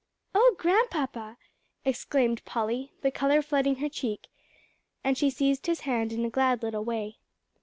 "Oh Grandpapa!" exclaimed Polly, the color flooding her cheek, and she seized his hand in a glad little way.